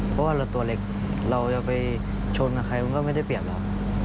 เพราะว่าเราตัวเล็กเราจะไปชนกับใครมันก็ไม่ได้เปรียบหรอก